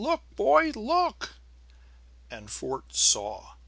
"Look, boy! Look!" And Fort saw.